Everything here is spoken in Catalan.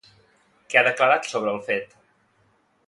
Què ha declarat sobre el fet?